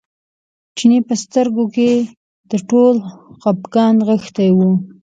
چیني په خپلو سترګو کې دا ټول خپګان نغښتی و.